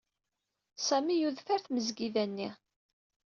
Sami yudef ɣer tmesgida-nni.